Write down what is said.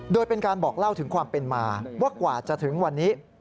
โดยเป็นการบอกเล่าถึงความเป็นมาว่ากว่าจะถึงวันนี้